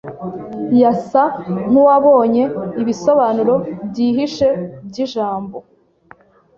Yasa nkuwabonye ibisobanuro byihishe byijambo